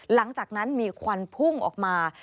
หลังจากนั้นมีควันพุ่งออกมา